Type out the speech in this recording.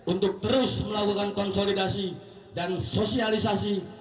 untuk terus melakukan konsolidasi dan perkembangan masyarakat indonesia